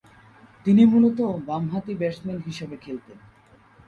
তিনি মূলতঃ বামহাতি ব্যাটসম্যান হিসেবে খেলতেন।